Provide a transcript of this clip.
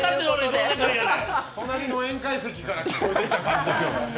隣の宴会席から聞こえてきた感じですよね。